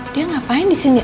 dia ngapain disini